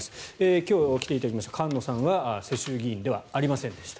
今日来ていただきました菅野さんは世襲議員ではありませんでした。